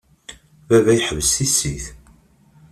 Baba yeḥbes tissit.